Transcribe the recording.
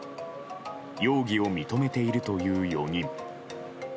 容疑を認めているという４人。